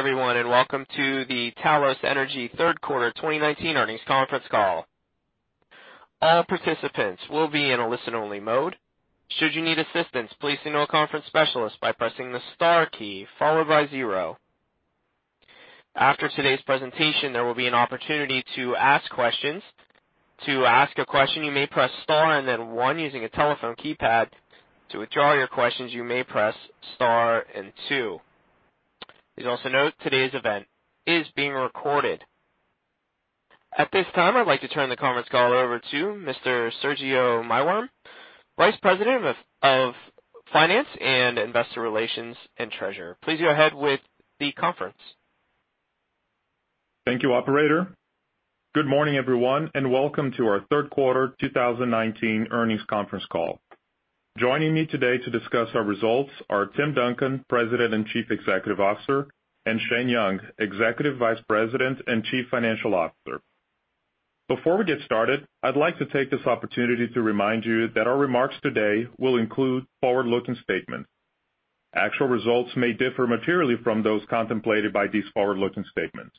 Good day everyone, and welcome to the Talos Energy third quarter 2019 earnings conference call. All participants will be in a listen-only mode. Should you need assistance, please signal a conference specialist by pressing the star key followed by zero. After today's presentation, there will be an opportunity to ask questions. To ask a question, you may press star and then one using a telephone keypad. To withdraw your questions, you may press star and two. Please also note today's event is being recorded. At this time, I'd like to turn the conference call over to Mr. Sergio Maiworm, Vice President of Finance and Investor Relations and Treasurer. Please go ahead with the conference. Thank you, operator. Good morning, everyone, and welcome to our third quarter 2019 earnings conference call. Joining me today to discuss our results are Tim Duncan, President and Chief Executive Officer, and Shane Young, Executive Vice President and Chief Financial Officer. Before we get started, I'd like to take this opportunity to remind you that our remarks today will include forward-looking statements. Actual results may differ materially from those contemplated by these forward-looking statements.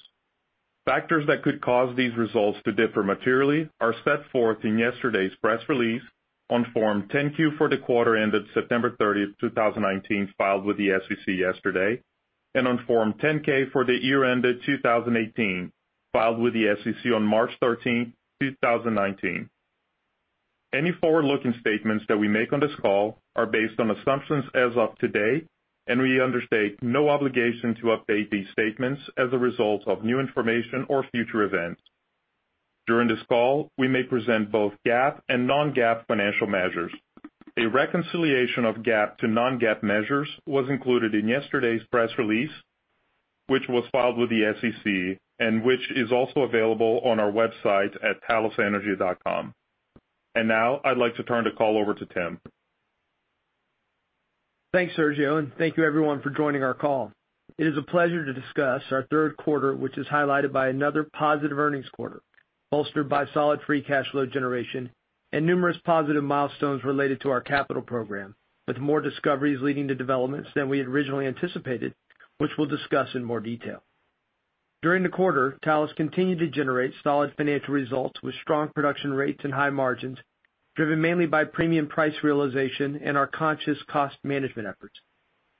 Factors that could cause these results to differ materially are set forth in yesterday's press release on Form 10-Q for the quarter ended September 30th, 2019, filed with the SEC yesterday, and on Form 10-K for the year ended 2018, filed with the SEC on March 13, 2019. Any forward-looking statements that we make on this call are based on assumptions as of today, and we undertake no obligation to update these statements as a result of new information or future events. During this call, we may present both GAAP and non-GAAP financial measures. A reconciliation of GAAP to non-GAAP measures was included in yesterday's press release, which was filed with the SEC and which is also available on our website at talosenergy.com. Now I'd like to turn the call over to Tim. Thanks, Sergio. Thank you everyone for joining our call. It is a pleasure to discuss our third quarter, which is highlighted by another positive earnings quarter, bolstered by solid free cash flow generation and numerous positive milestones related to our capital program, with more discoveries leading to developments than we had originally anticipated, which we'll discuss in more detail. During the quarter, Talos Energy continued to generate solid financial results with strong production rates and high margins, driven mainly by premium price realization and our conscious cost management efforts.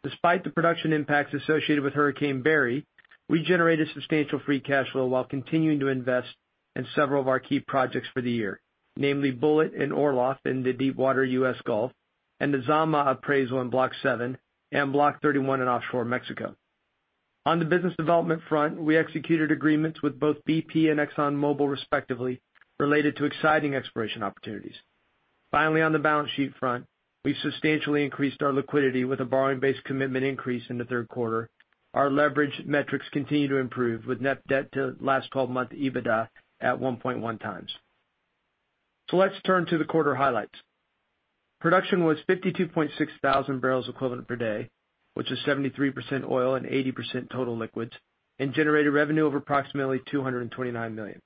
Despite the production impacts associated with Hurricane Barry, we generated substantial free cash flow while continuing to invest in several of our key projects for the year, namely Bulleit and Orlov in the deepwater U.S. Gulf, and the Zama appraisal in Block 7 and Block 31 in offshore Mexico. On the business development front, we executed agreements with both BP and ExxonMobil respectively, related to exciting exploration opportunities. Finally, on the balance sheet front, we've substantially increased our liquidity with a borrowing base commitment increase in the third quarter. Our leverage metrics continue to improve with net debt to last 12-month EBITDA at 1.1 times. Let's turn to the quarter highlights. Production was 52.6 thousand barrels equivalent per day, which is 73% oil and 80% total liquids, and generated revenue of approximately $229 million.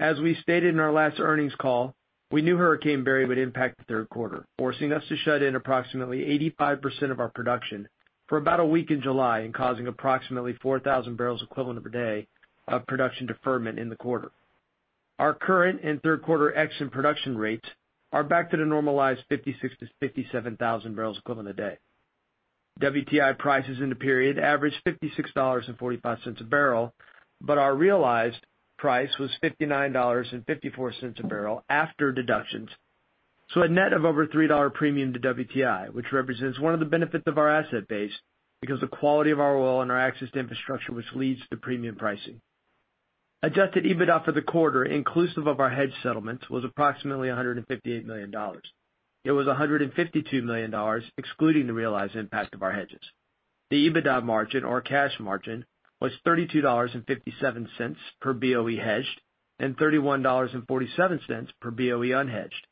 As we stated in our last earnings call, we knew Hurricane Barry would impact the third quarter, forcing us to shut in approximately 85% of our production for about a week in July and causing approximately 4,000 barrels equivalent per day of production deferment in the quarter. Our current and third quarter E&P rates are back to the normalized 56,000-57,000 barrels equivalent a day. WTI prices in the period averaged $56.45 a barrel, but our realized price was $59.54 a barrel after deductions. A net of over a $3 premium to WTI, which represents one of the benefits of our asset base because the quality of our oil and our access to infrastructure, which leads to premium pricing. Adjusted EBITDA for the quarter, inclusive of our hedge settlements, was approximately $158 million. It was $152 million, excluding the realized impact of our hedges. The EBITDA margin or cash margin was $32.57 per BOE hedged and $31.47 per BOE unhedged.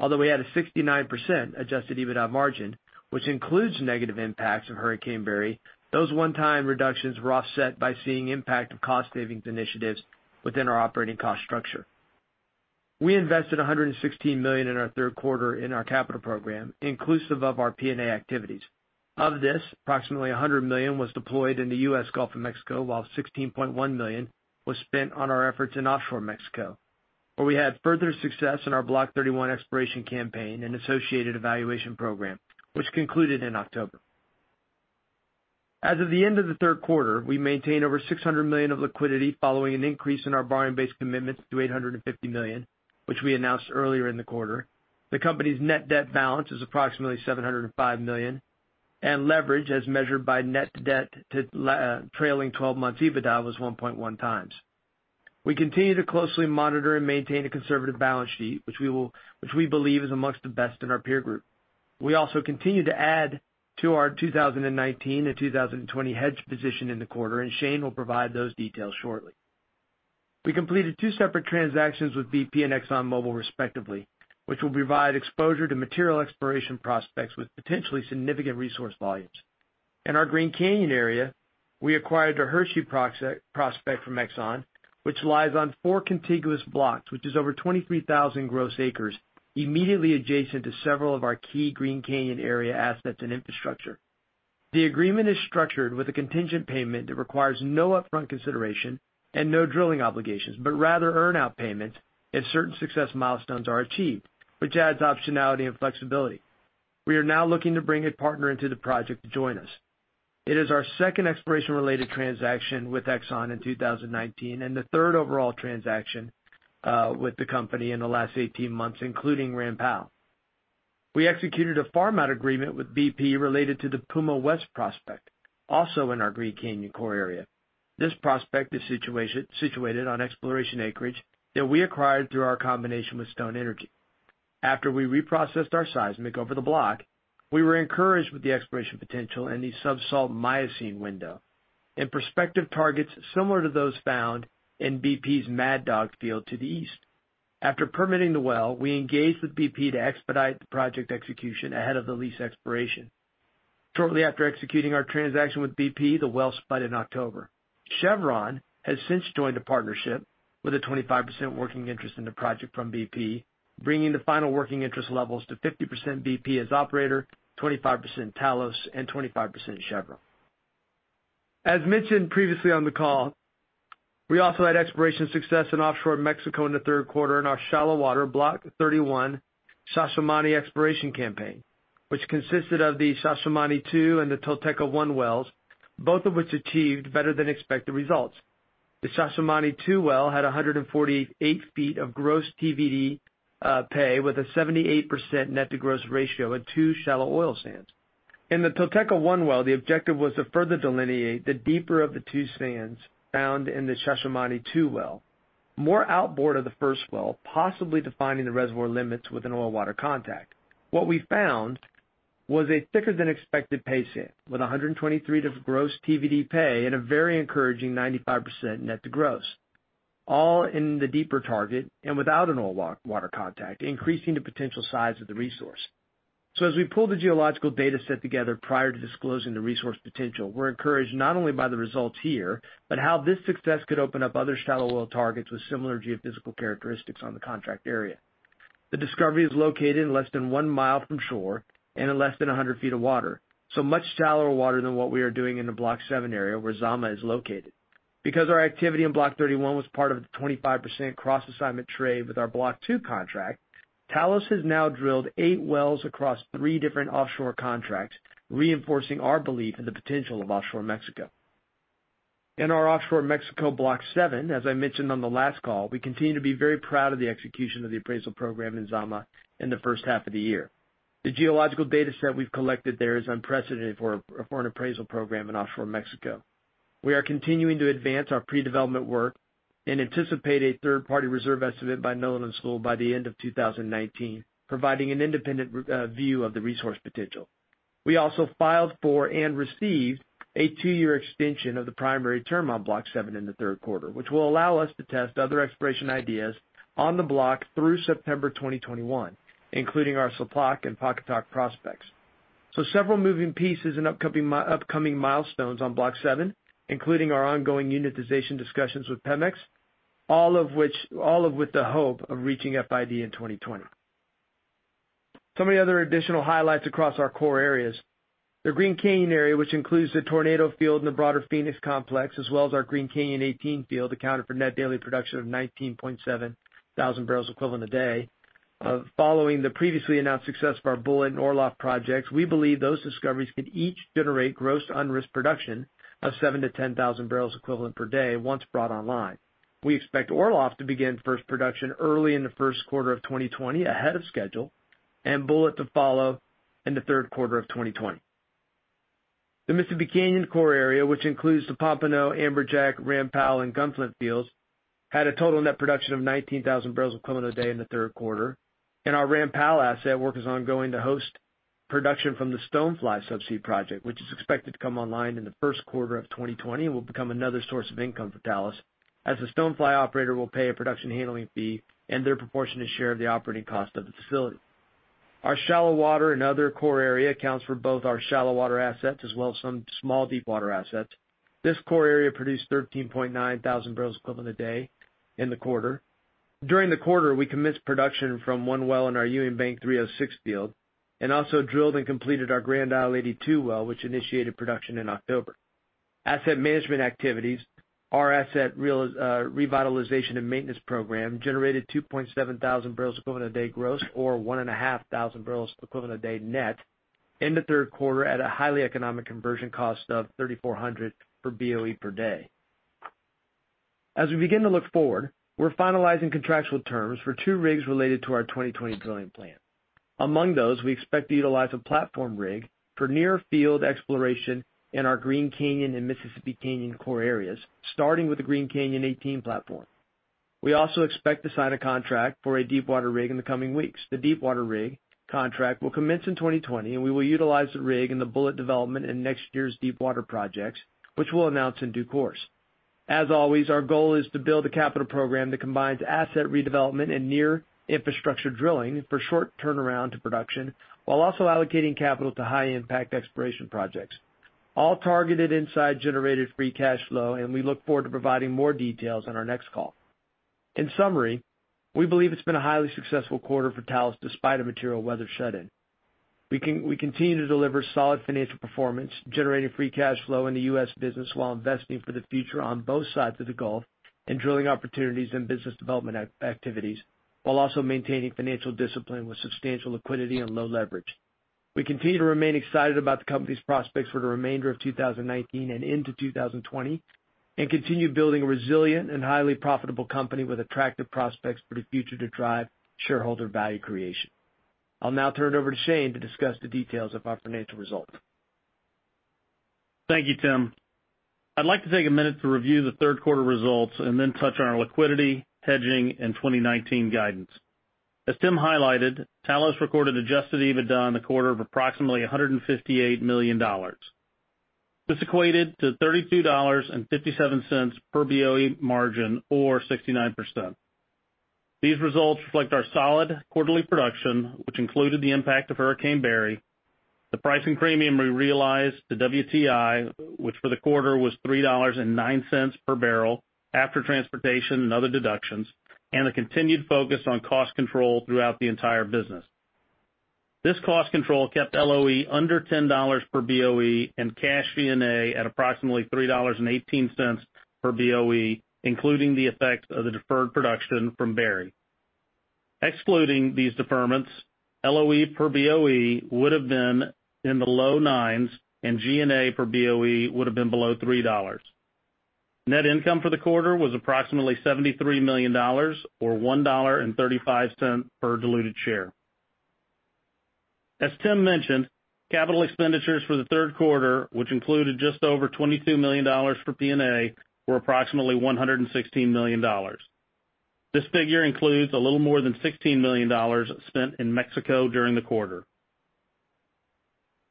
Although we had a 69% adjusted EBITDA margin, which includes negative impacts of Hurricane Barry, those one-time reductions were offset by seeing impact of cost savings initiatives within our operating cost structure. We invested $116 million in our third quarter in our capital program, inclusive of our P&A activities. Of this, approximately $100 million was deployed in the U.S. Gulf of Mexico, while $16.1 million was spent on our efforts in offshore Mexico, where we had further success in our Block 31 exploration campaign and associated evaluation program, which concluded in October. As of the end of the third quarter, we maintained over $600 million of liquidity following an increase in our borrowing base commitments to $850 million, which we announced earlier in the quarter. The company's net debt balance is approximately $705 million, and leverage as measured by net debt to trailing 12 months EBITDA was 1.1 times. We continue to closely monitor and maintain a conservative balance sheet, which we believe is amongst the best in our peer group. We also continue to add to our 2019 and 2020 hedge position in the quarter, and Shane will provide those details shortly. We completed two separate transactions with BP and ExxonMobil respectively, which will provide exposure to material exploration prospects with potentially significant resource volumes. In our Green Canyon area, we acquired a Hershey prospect from Exxon, which lies on four contiguous blocks, which is over 23,000 gross acres, immediately adjacent to several of our key Green Canyon area assets and infrastructure. The agreement is structured with a contingent payment that requires no upfront consideration and no drilling obligations, but rather earn out payments if certain success milestones are achieved, which adds optionality and flexibility. We are now looking to bring a partner into the project to join us. It is our second exploration-related transaction with Exxon in 2019, and the third overall transaction with the company in the last 18 months, including Ram Powell. We executed a farm out agreement with BP related to the Puma West prospect, also in our Green Canyon core area. This prospect is situated on exploration acreage that we acquired through our combination with Stone Energy. After we reprocessed our seismic over the block, we were encouraged with the exploration potential and the sub-salt Miocene window, and prospective targets similar to those found in BP's Mad Dog field to the east. After permitting the well, we engaged with BP to expedite the project execution ahead of the lease expiration. Shortly after executing our transaction with BP, the well spud in October. Chevron has since joined a partnership with a 25% working interest in the project from BP, bringing the final working interest levels to 50% BP as operator, 25% Talos, and 25% Chevron. As mentioned previously on the call, we also had exploration success in offshore Mexico in the third quarter in our shallow water Block 31 Xaxamani exploration campaign, which consisted of the Xaxamani-2 and the Tolteca-1 wells, both of which achieved better than expected results. The Xaxamani-2 well had 148 feet of gross TVD pay, with a 78% net to gross ratio and two shallow oil sands. In the Tolteca-1 well, the objective was to further delineate the deeper of the two sands found in the Xaxamani-2 well, more outboard of the first well, possibly defining the reservoir limits with an oil water contact. What we found was a thicker than expected pay sand, with 123 to gross TVD pay and a very encouraging 95% net to gross, all in the deeper target and without an oil water contact, increasing the potential size of the resource. As we pull the geological data set together prior to disclosing the resource potential, we're encouraged not only by the results here, but how this success could open up other shallow oil targets with similar geophysical characteristics on the contract area. The discovery is located less than one mile from shore and in less than 100 feet of water, so much shallower water than what we are doing in the Block 7 area where Zama is located. Because our activity in Block 31 was part of the 25% cross assignment trade with our Block 2 contract, Talos has now drilled eight wells across three different offshore contracts, reinforcing our belief in the potential of offshore Mexico. In our offshore Mexico Block 7, as I mentioned on the last call, we continue to be very proud of the execution of the appraisal program in Zama in the first half of the year. The geological data set we've collected there is unprecedented for an appraisal program in offshore Mexico. We are continuing to advance our pre-development work and anticipate a third-party reserve estimate by Netherland, Sewell & Associates by the end of 2019, providing an independent view of the resource potential. We also filed for and received a 2-year extension of the primary term on Block 7 in the third quarter, which will allow us to test other exploration ideas on the block through September 2021, including our Siplac and Pacatoc prospects. Several moving pieces and upcoming milestones on Block 7, including our ongoing unitization discussions with Pemex, all of with the hope of reaching FID in 2020. Some of the other additional highlights across our core areas. The Green Canyon area, which includes the Tornado field and the broader Phoenix Complex, as well as our Green Canyon 18 field, accounted for net daily production of 19.7 thousand barrels equivalent a day. Following the previously announced success of our Bulleit and Orlov projects, we believe those discoveries could each generate gross unrisked production of 7-10 thousand barrels equivalent per day once brought online. We expect Orlov to begin first production early in the first quarter of 2020 ahead of schedule, and Bulleit to follow in the third quarter of 2020. The Mississippi Canyon core area, which includes the Pompano, Amberjack, Ram Powell, and Gunflint fields, had a total net production of 19,000 barrels equivalent a day in the third quarter. In our Ram Powell asset, work is ongoing to host production from the Stonefly subsea project, which is expected to come online in the first quarter of 2020 and will become another source of income for Talos as the Stonefly operator will pay a production handling fee and their proportionate share of the operating cost of the facility. Our shallow water and other core area accounts for both our shallow water assets as well as some small deepwater assets. This core area produced 13.9 thousand barrels equivalent a day in the quarter. During the quarter, we commenced production from one well in our Ewing Bank 306 field and also drilled and completed our Grand Isle 82 well, which initiated production in October. Asset management activities. Our asset revitalization and maintenance program generated 2.7 thousand barrels equivalent a day gross or 1.5 thousand barrels equivalent a day net in the third quarter at a highly economic conversion cost of $3,400 per BOE per day. As we begin to look forward, we're finalizing contractual terms for two rigs related to our 2020 drilling plan. Among those, we expect to utilize a platform rig for near field exploration in our Green Canyon and Mississippi Canyon core areas, starting with the Green Canyon 18 platform. We also expect to sign a contract for a deepwater rig in the coming weeks. The deepwater rig contract will commence in 2020, and we will utilize the rig in the Bulleit development in next year's deepwater projects, which we'll announce in due course. As always, our goal is to build a capital program that combines asset redevelopment and near infrastructure drilling for short turnaround to production while also allocating capital to high impact exploration projects, all targeted inside generated free cash flow, and we look forward to providing more details on our next call. In summary, we believe it's been a highly successful quarter for Talos, despite a material weather shut-in. We continue to deliver solid financial performance, generating free cash flow in the U.S. business while investing for the future on both sides of the Gulf in drilling opportunities and business development activities, while also maintaining financial discipline with substantial liquidity and low leverage. We continue to remain excited about the company's prospects for the remainder of 2019 and into 2020, and continue building a resilient and highly profitable company with attractive prospects for the future to drive shareholder value creation. I'll now turn it over to Shane to discuss the details of our financial results. Thank you, Tim. I'd like to take a minute to review the third quarter results and then touch on our liquidity, hedging, and 2019 guidance. As Tim highlighted, Talos recorded adjusted EBITDA in the quarter of approximately $158 million. This equated to $32.57 per BOE margin, or 69%. These results reflect our solid quarterly production, which included the impact of Hurricane Barry, the pricing premium we realized to WTI, which for the quarter was $3.09 per barrel after transportation and other deductions, and a continued focus on cost control throughout the entire business. This cost control kept LOE under $10 per BOE and cash G&A at approximately $3.18 per BOE, including the effect of the deferred production from Barry. Excluding these deferments, LOE per BOE would've been in the low nines and G&A per BOE would've been below $3. Net income for the quarter was approximately $73 million, or $1.35 per diluted share. As Tim mentioned, capital expenditures for the third quarter, which included just over $22 million for P&A, were approximately $116 million. This figure includes a little more than $16 million spent in Mexico during the quarter.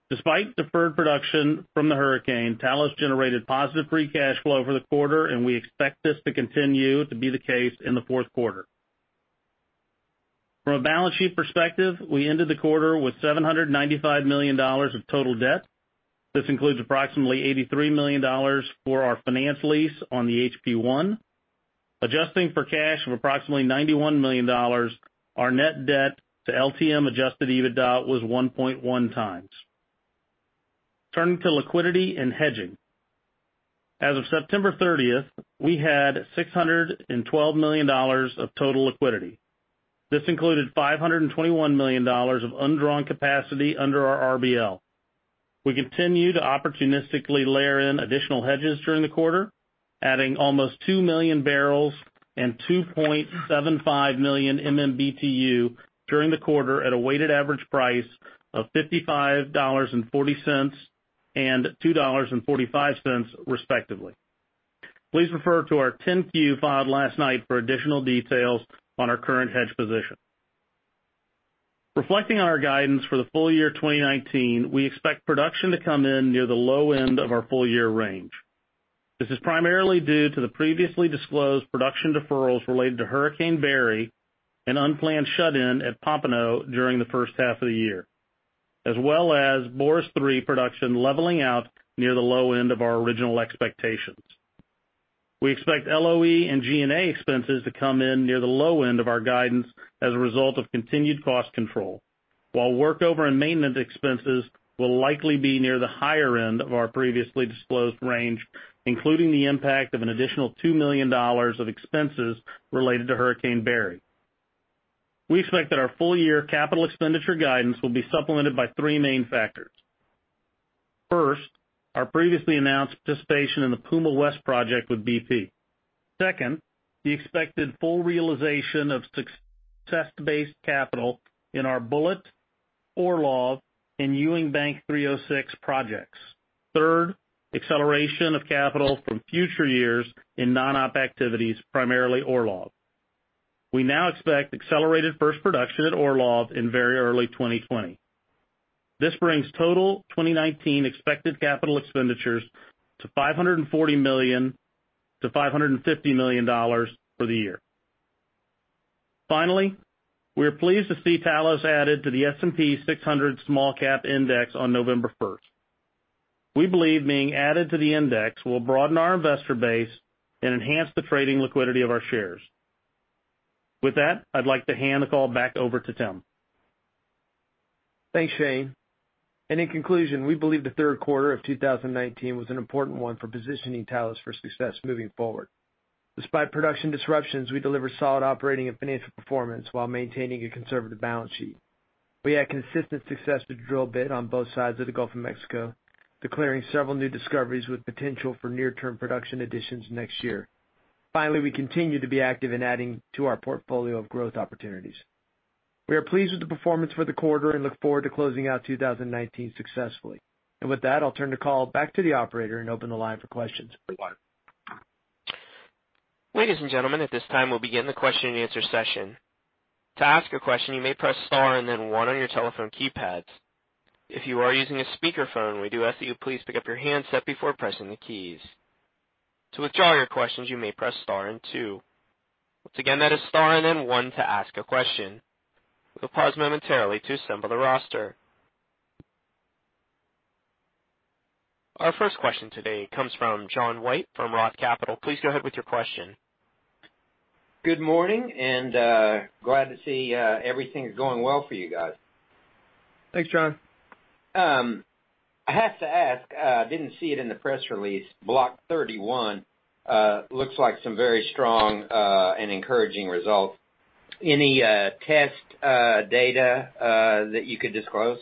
Despite deferred production from the hurricane, Talos generated positive free cash flow for the quarter, and we expect this to continue to be the case in the fourth quarter. From a balance sheet perspective, we ended the quarter with $795 million of total debt. This includes approximately $83 million for our finance lease on the HP-1. Adjusting for cash of approximately $91 million, our net debt to LTM adjusted EBITDA was 1.1 times. Turning to liquidity and hedging. As of September 30th, we had $612 million of total liquidity. This included $521 million of undrawn capacity under our RBL. We continued to opportunistically layer in additional hedges during the quarter, adding almost 2 million barrels and 2.75 million MMBtu during the quarter at a weighted average price of $55.40 and $2.45, respectively. Please refer to our 10-Q filed last night for additional details on our current hedge position. Reflecting on our guidance for the full year 2019, we expect production to come in near the low end of our full-year range. This is primarily due to the previously disclosed production deferrals related to Hurricane Barry and unplanned shut-in at Pompano during the first half of the year, as well as Boris 3 production leveling out near the low end of our original expectations. We expect LOE and G&A expenses to come in near the low end of our guidance as a result of continued cost control. While workover and maintenance expenses will likely be near the higher end of our previously disclosed range, including the impact of an additional $2 million of expenses related to Hurricane Barry. We expect that our full-year capital expenditure guidance will be supplemented by three main factors. First, our previously announced participation in the Puma West project with BP. Second, the expected full realization of success-based capital in our Bulleit, Orlov, and Ewing Bank 306 projects. Third, acceleration of capital from future years in non-op activities, primarily Orlov. We now expect accelerated first production at Orlov in very early 2020. This brings total 2019 expected capital expenditures to $540 million-$550 million for the year. Finally, we are pleased to see Talos added to the S&P SmallCap 600 on November 1st. We believe being added to the index will broaden our investor base and enhance the trading liquidity of our shares. With that, I'd like to hand the call back over to Tim. Thanks, Shane. In conclusion, we believe the third quarter of 2019 was an important one for positioning Talos for success moving forward. Despite production disruptions, we delivered solid operating and financial performance while maintaining a conservative balance sheet. We had consistent success with drill bit on both sides of the Gulf of Mexico, declaring several new discoveries with potential for near-term production additions next year. Finally, we continue to be active in adding to our portfolio of growth opportunities. We are pleased with the performance for the quarter and look forward to closing out 2019 successfully. With that, I'll turn the call back to the operator and open the line for questions. Ladies and gentlemen, at this time, we'll begin the question and answer session. To ask a question, you may press star and then one on your telephone keypads. If you are using a speakerphone, we do ask that you please pick up your handset before pressing the keys. To withdraw your questions, you may press star and two. Once again, that is star and then one to ask a question. We'll pause momentarily to assemble the roster. Our first question today comes from John White from ROTH Capital. Please go ahead with your question. Good morning, and glad to see everything is going well for you guys. Thanks, John. I have to ask, I didn't see it in the press release. Block 31 looks like some very strong and encouraging results. Any test data that you could disclose?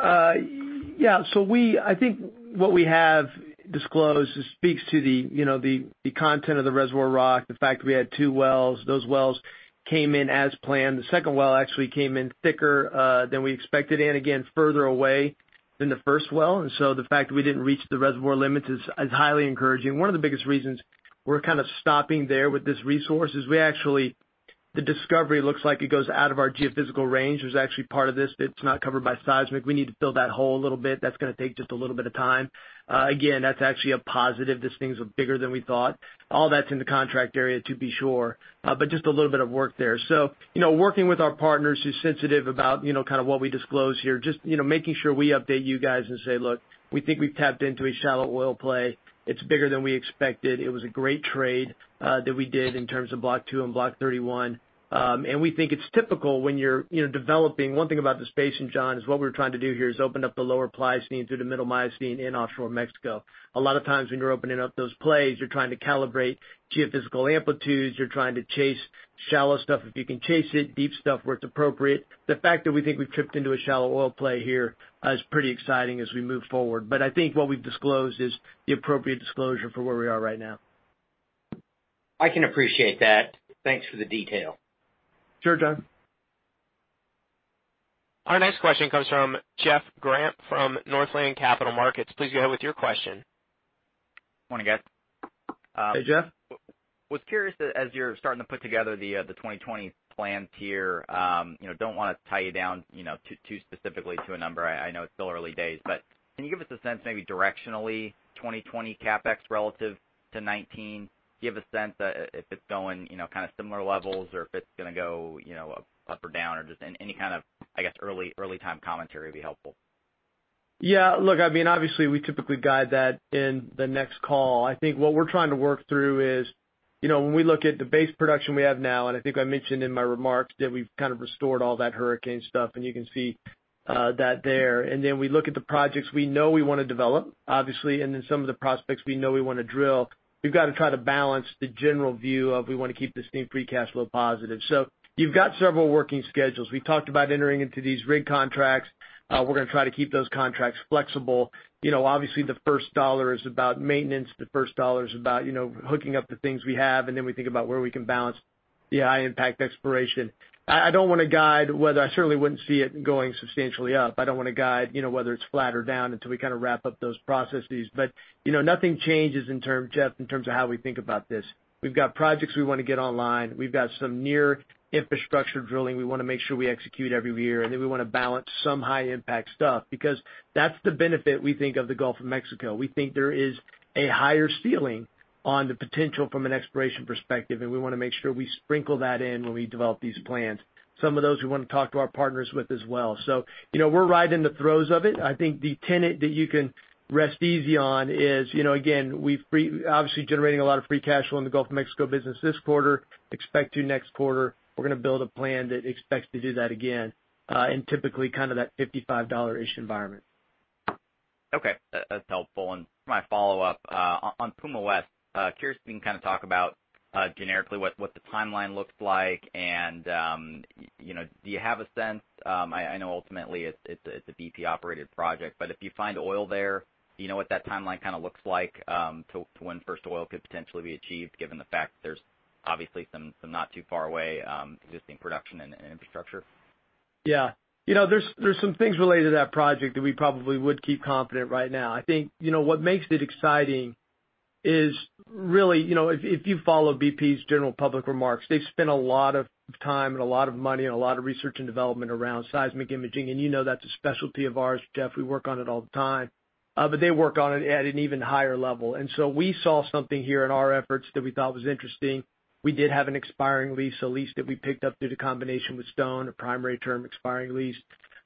Yeah. I think what we have disclosed speaks to the content of the reservoir rock, the fact that we had two wells, those wells came in as planned. The second well actually came in thicker than we expected, and again, further away than the first well. The fact that we didn't reach the reservoir limits is highly encouraging. One of the biggest reasons we're kind of stopping there with this resource is we actually, the discovery looks like it goes out of our geophysical range. There's actually part of this that's not covered by seismic. We need to fill that hole a little bit. That's going to take just a little bit of time. Again, that's actually a positive. This thing's bigger than we thought. All that's in the contract area, to be sure, but just a little bit of work there. Working with our partners who's sensitive about what we disclose here, just making sure we update you guys and say, "Look, we think we've tapped into a shallow oil play. It's bigger than we expected. It was a great trade that we did in terms of Block Two and Block 31." We think it's typical when you're developing. One thing about this basin, John, is what we're trying to do here is open up the lower Pleistocene through the middle Miocene in offshore Mexico. A lot of times when you're opening up those plays, you're trying to calibrate geophysical amplitudes. You're trying to chase shallow stuff if you can chase it, deep stuff where it's appropriate. The fact that we think we've tripped into a shallow oil play here is pretty exciting as we move forward. I think what we've disclosed is the appropriate disclosure for where we are right now. I can appreciate that. Thanks for the detail. Sure, John. Our next question comes from Jeff Grant from Northland Capital Markets. Please go ahead with your question. Morning, guys. Hey, Jeff. was curious that as you're starting to put together the 2020 plans here, don't want to tie you down too specifically to a number. I know it's still early days, can you give us a sense, maybe directionally 2020 CapEx relative to 2019? Do you have a sense if it's going similar levels or if it's going to go up or down or just any kind of early time commentary would be helpful. Yeah, look, obviously we typically guide that in the next call. I think what we're trying to work through is, when we look at the base production we have now, and I think I mentioned in my remarks that we've kind of restored all that hurricane stuff, and you can see that there. Then we look at the projects we know we want to develop, obviously, and then some of the prospects we know we want to drill. We've got to try to balance the general view of we want to keep this thing free cash flow positive. You've got several working schedules. We talked about entering into these rig contracts. We're going to try to keep those contracts flexible. Obviously, the first dollar is about maintenance. The first dollar is about hooking up the things we have, and then we think about where we can balance the high-impact exploration. I don't want to guide whether I certainly wouldn't see it going substantially up. I don't want to guide whether it's flat or down until we wrap up those processes. Nothing changes, Jeff, in terms of how we think about this. We've got projects we want to get online. We've got some near-infrastructure drilling we want to make sure we execute every year. Then we want to balance some high-impact stuff, because that's the benefit we think of the Gulf of Mexico. We think there is a higher ceiling on the potential from an exploration perspective, and we want to make sure we sprinkle that in when we develop these plans. Some of those we want to talk to our partners with as well. We're right in the throes of it. I think the tenet that you can rest easy on is, again, we've obviously generating a lot of free cash flow in the Gulf of Mexico business this quarter, expect to next quarter. We're going to build a plan that expects to do that again. Typically, kind of that $55-ish environment. Okay. That's helpful. My follow-up, on Puma West, curious if you can talk about generically what the timeline looks like and do you have a sense? I know ultimately it's a BP-operated project, but if you find oil there, you know what that timeline looks like to when first oil could potentially be achieved given the fact that there's obviously some not too far away existing production and infrastructure? Yeah. There's some things related to that project that we probably would keep confidential right now. I think what makes it exciting is really, if you follow BP's general public remarks, they've spent a lot of time and a lot of money and a lot of research and development around seismic imaging, and you know that's a specialty of ours, Jeff. We work on it all the time. They work on it at an even higher level. We saw something here in our efforts that we thought was interesting. We did have an expiring lease, a lease that we picked up through the combination with Stone, a primary term expiring lease.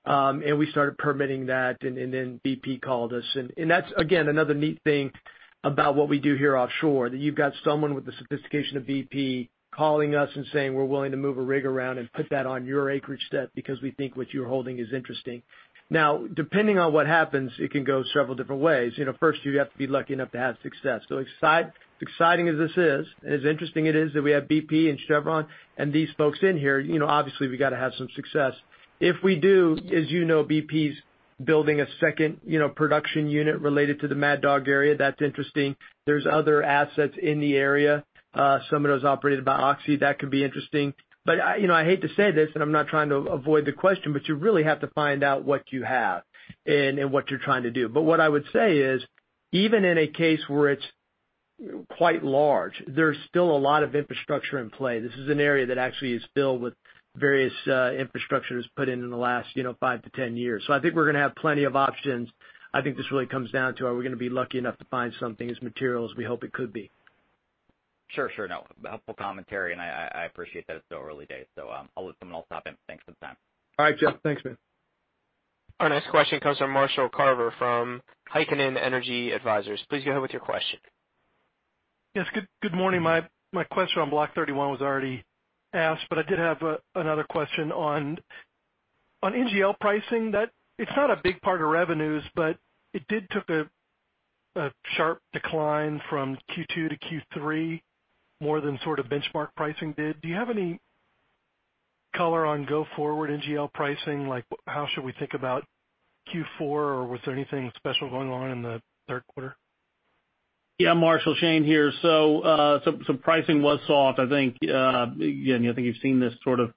We started permitting that, and then BP called us. That's, again, another neat thing about what we do here offshore, that you've got someone with the sophistication of BP calling us and saying, "We're willing to move a rig around and put that on your acreage debt because we think what you're holding is interesting." Depending on what happens, it can go several different ways. You have to be lucky enough to have success. As exciting as this is, and as interesting it is that we have BP and Chevron and these folks in here, obviously we got to have some success. If we do, as you know, BP's building a second production unit related to the Mad Dog area. That's interesting. There's other assets in the area. Some of those operated by Oxy, that could be interesting. I hate to say this, and I'm not trying to avoid the question, but you really have to find out what you have and what you're trying to do. What I would say is, even in a case where it's quite large, there's still a lot of infrastructure in play. This is an area that actually is filled with various infrastructures put in in the last five to 10 years. I think we're going to have plenty of options. I think this really comes down to are we going to be lucky enough to find something as material as we hope it could be? Sure. No, helpful commentary. I appreciate that it's still early days. I'll listen and I'll stop in. Thanks for the time. All right, Jeff. Thanks, man. Our next question comes from Marshall Carver from Heikkinen Energy Advisors. Please go ahead with your question. Yes. Good morning. My question on Block 31 was already asked, but I did have another question on NGL pricing, that it's not a big part of revenues, but it did took a sharp decline from Q2 to Q3, more than sort of benchmark pricing did. Do you have any color on go forward NGL pricing? Like how should we think about Q4? Was there anything special going on in the third quarter? Yeah, Marshall, Shane here. Some pricing was soft. I think you've seen this sort of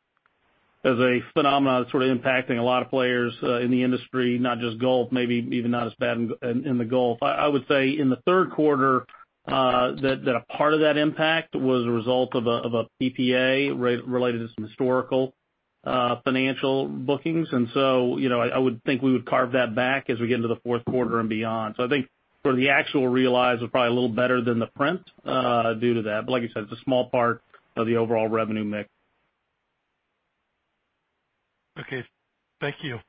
as a phenomenon that's sort of impacting a lot of players in the industry, not just Gulf, maybe even not as bad in the Gulf. I would say in the third quarter, that a part of that impact was a result of a PPA related to some historical financial bookings. I would think we would carve that back as we get into the fourth quarter and beyond. I think for the actual realize was probably a little better than the print, due to that, but like I said, it's a small part of the overall revenue mix. Okay. Thank you.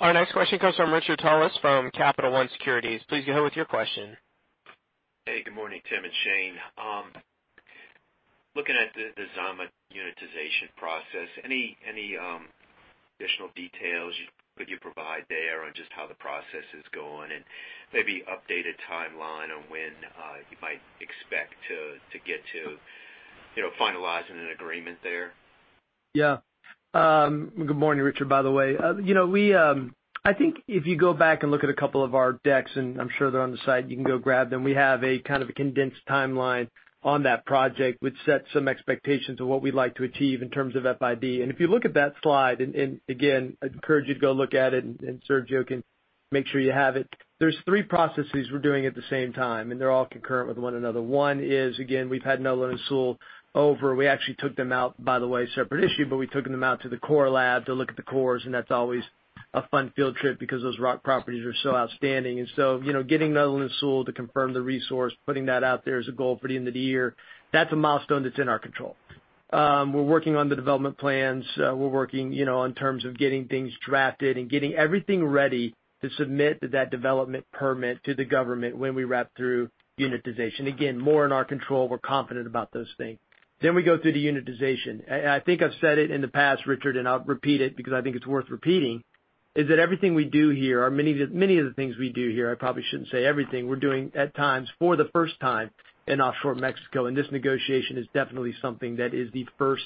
Our next question comes from Richard Tullis from Capital One Securities. Please go ahead with your question. Good morning, Tim and Shane. Looking at the Zama unitization process, any additional details could you provide there on just how the process is going and maybe updated timeline on when you might expect to get to finalizing an agreement there? Good morning, Richard, by the way. I think if you go back and look at a couple of our decks, and I'm sure they're on the site, you can go grab them. We have a kind of a condensed timeline on that project, which sets some expectations of what we'd like to achieve in terms of FID. If you look at that slide, and again, I'd encourage you to go look at it, and Sergio can make sure you have it. There's three processes we're doing at the same time, and they're all concurrent with one another. One is, again, we've had Netherland & Sewell over. We actually took them out, by the way, separate issue, but we took them out to the core lab to look at the cores, and that's always a fun field trip because those rock properties are so outstanding. Getting Netherland & Sewell to confirm the resource, putting that out there as a goal for the end of the year, that's a milestone that's in our control. We're working on the development plans. We're working in terms of getting things drafted and getting everything ready to submit that development permit to the government when we wrap through unitization. Again, more in our control. We're confident about those things. We go through the unitization. I think I've said it in the past, Richard, and I'll repeat it because I think it's worth repeating, is that everything we do here, or many of the things we do here, I probably shouldn't say everything, we're doing at times for the first time in offshore Mexico, and this negotiation is definitely something that is the first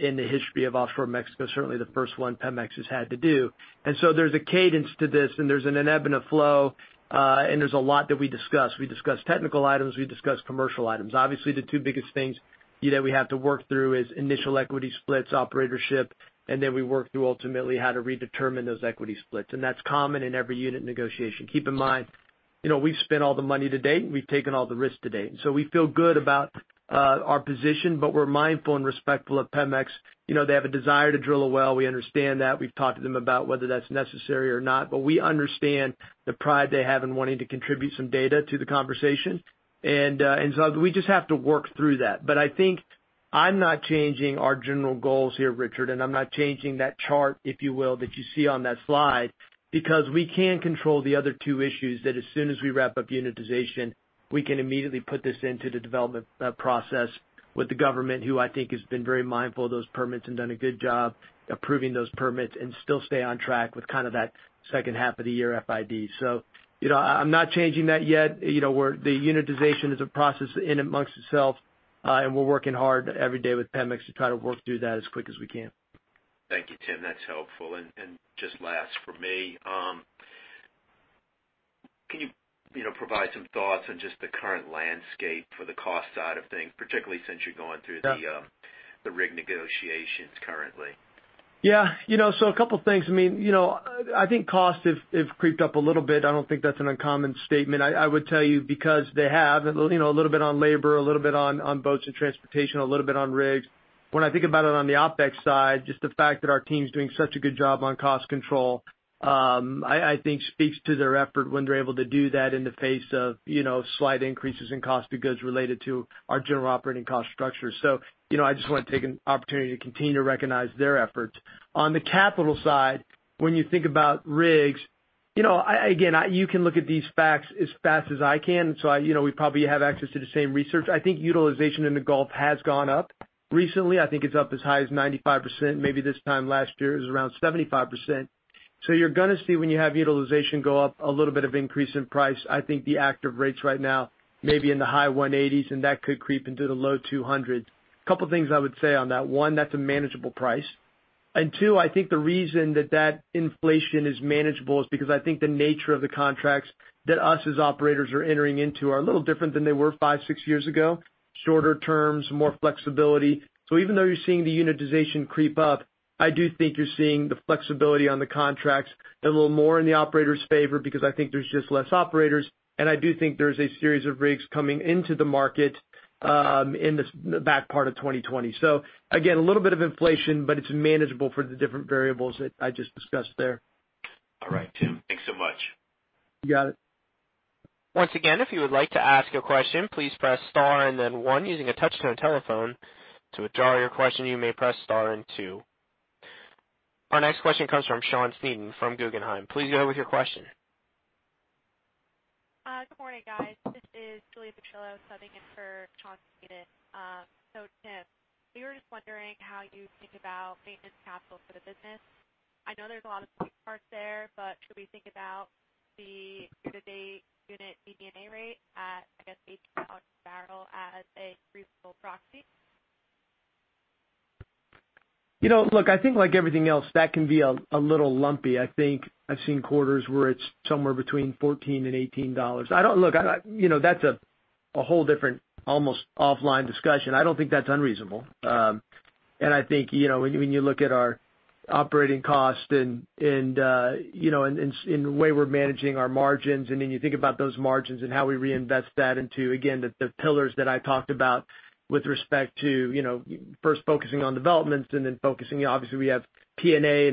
in the history of offshore Mexico, certainly the first one Pemex has had to do. There's a cadence to this, and there's an ebb and a flow, and there's a lot that we discuss. We discuss technical items, we discuss commercial items. Obviously, the two biggest things that we have to work through is initial equity splits, operatorship, and then we work through ultimately how to redetermine those equity splits. That's common in every unit negotiation. Keep in mind, we've spent all the money to date, and we've taken all the risks to date, and so we feel good about our position, but we're mindful and respectful of Pemex. They have a desire to drill a well. We understand that. We've talked to them about whether that's necessary or not, but we understand the pride they have in wanting to contribute some data to the conversation. We just have to work through that. I think I'm not changing our general goals here, Richard, and I'm not changing that chart, if you will, that you see on that slide, because we can control the other two issues that as soon as we wrap up unitization, we can immediately put this into the development process with the government, who I think has been very mindful of those permits and done a good job approving those permits and still stay on track with kind of that second half of the year FID. I'm not changing that yet. The unitization is a process in and amongst itself, and we're working hard every day with Pemex to try to work through that as quick as we can. Thank you, Tim. That's helpful. Just last from me, can you provide some thoughts on just the current landscape for the cost side of things, particularly since you're going through the rig negotiations currently? A couple things. I think costs have creeped up a little bit. I don't think that's an uncommon statement. I would tell you because they have, a little bit on labor, a little bit on boats and transportation, a little bit on rigs. When I think about it on the OpEx side, just the fact that our team's doing such a good job on cost control, I think speaks to their effort when they're able to do that in the face of slight increases in cost because related to our general operating cost structure. I just want to take an opportunity to continue to recognize their efforts. On the capital side, when you think about rigs, again, you can look at these facts as fast as I can. We probably have access to the same research. I think utilization in the Gulf has gone up recently. I think it's up as high as 95%, maybe this time last year it was around 75%. You're going to see when you have utilization go up a little bit of increase in price. I think the active rates right now may be in the high 180s, and that could creep into the low 200s. Couple things I would say on that. One, that's a manageable price. Two, I think the reason that that inflation is manageable is because I think the nature of the contracts that us as operators are entering into are a little different than they were five, six years ago. Shorter terms, more flexibility. Even though you're seeing the unitization creep up, I do think you're seeing the flexibility on the contracts a little more in the operator's favor because I think there's just less operators, and I do think there's a series of rigs coming into the market in the back part of 2020. Again, a little bit of inflation, but it's manageable for the different variables that I just discussed there. All right, Tim. Thanks so much. You got it. Once again, if you would like to ask a question, please press star and then one using a touch-tone telephone. To withdraw your question, you may press star and two. Our next question comes from Sean Sneeden from Guggenheim. Please go with your question. Good morning, guys. This is Julia Picillo subbing in for Sean Sneeden. Tim, we were just wondering how you think about maintenance capital for the business. I know there's a lot of moving parts there, but should we think about the day unit EBITDA rate at, I guess, $18 barrel as a useful proxy? Look, I think like everything else, that can be a little lumpy. I think I've seen quarters where it's somewhere between $14 and $18. That's a whole different almost offline discussion. I don't think that's unreasonable. I think, when you look at our operating cost and the way we're managing our margins, then you think about those margins and how we reinvest that into, again, the pillars that I talked about with respect to first focusing on developments and then focusing, obviously, we have P&A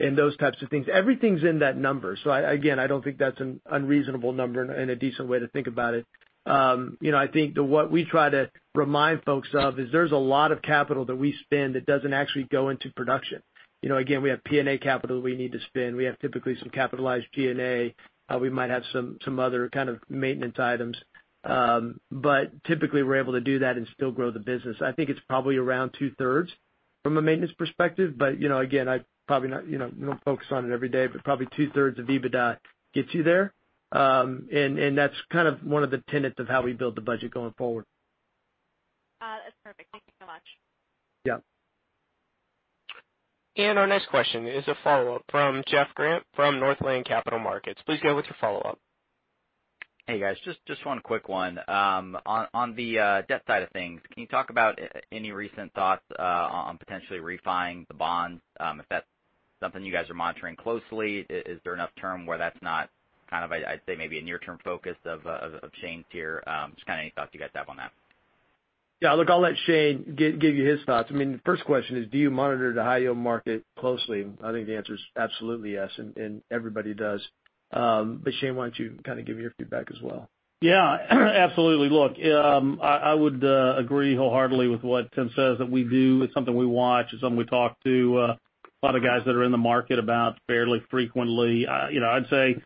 and those types of things. Everything's in that number. Again, I don't think that's an unreasonable number and a decent way to think about it. I think that what we try to remind folks of is there's a lot of capital that we spend that doesn't actually go into production. Again, we have P&A capital we need to spend. We have typically some capitalized G&A. We might have some other kind of maintenance items. Typically, we're able to do that and still grow the business. I think it's probably around two-thirds from a maintenance perspective. Again, I don't focus on it every day, but probably two-thirds of EBITDA gets you there. That's one of the tenets of how we build the budget going forward. That's perfect. Thank you so much. Yeah. Our next question is a follow-up from Jeff Grant from Northland Capital Markets. Please go with your follow-up. Hey, guys. Just one quick one. On the debt side of things, can you talk about any recent thoughts on potentially refining the bonds, if that's something you guys are monitoring closely? Is there enough term where that's not, I'd say maybe a near-term focus of Shane's here? Just any thoughts you guys have on that. Yeah. Look, I'll let Shane give you his thoughts. The first question is, do you monitor the high-yield market closely? I think the answer is absolutely yes, and everybody does. Shane, why don't you give your feedback as well? Yeah. Absolutely. Look, I would agree wholeheartedly with what Tim says that we do. It's something we watch. It's something we talk to a lot of guys that are in the market about fairly frequently. I'd say,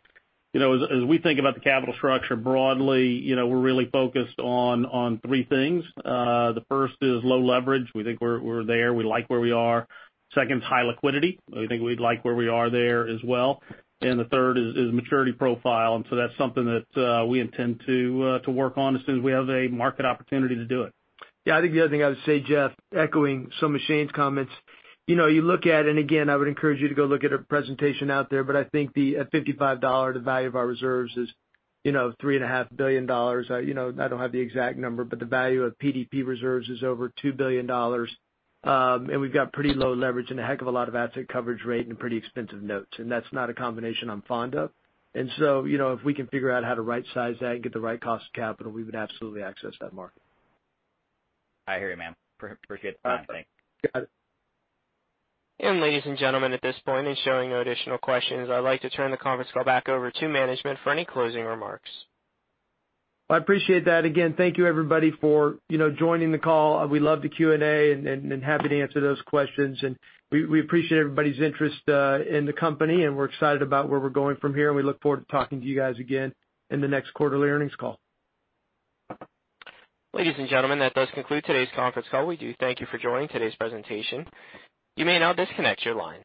as we think about the capital structure broadly, we're really focused on three things. The first is low leverage. We think we're there. We like where we are. Second is high liquidity. I think we like where we are there as well. The third is maturity profile, and so that's something that we intend to work on as soon as we have a market opportunity to do it. Yeah, I think the other thing I would say, Jeff, echoing some of Shane's comments. You look at, again, I would encourage you to go look at a presentation out there. I think at $55, the value of our reserves is $3.5 billion. I don't have the exact number, the value of PDP reserves is over $2 billion. We've got pretty low leverage and a heck of a lot of asset coverage rate and pretty expensive notes, that's not a combination I'm fond of. So, if we can figure out how to right-size that and get the right cost of capital, we would absolutely access that market. I hear you, man. Appreciate the time. Thanks. Got it. Ladies and gentlemen, at this point in showing no additional questions, I'd like to turn the conference call back over to management for any closing remarks. I appreciate that. Thank you everybody for joining the call. We love to Q&A and happy to answer those questions. We appreciate everybody's interest in the company, and we're excited about where we're going from here, and we look forward to talking to you guys again in the next quarterly earnings call. Ladies and gentlemen, that does conclude today's conference call. We do thank you for joining today's presentation. You may now disconnect your line.